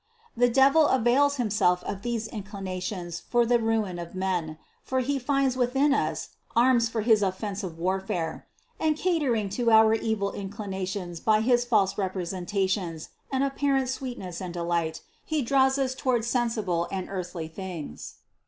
The devil avails himself of these inclinations for the ruin of men, for he finds within us arms for his offensive warfare; and catering to our evil inclinations by his false repre sentations and apparent sweetness and delight, he draws us toward sensible and earthly things.